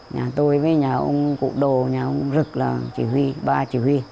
nhà tôi với nhà ông cụ đồ nhà ông rực là chỉ huy ba chỉ huy